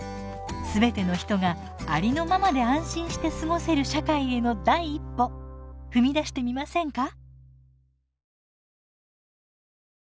全ての人がありのままで安心して過ごせる社会への第一歩踏み出してみませんか？